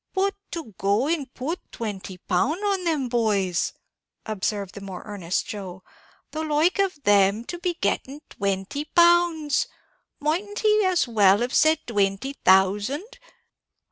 "But to go and put twenty pound on them boys!" observed the more earnest Joe; "the like of them to be getting twenty pounds! mightn't he as well have said twenty thousand?